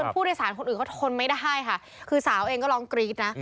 ผู้โดยสารคนอื่นเขาทนไม่ได้ค่ะคือสาวเองก็ร้องกรี๊ดนะ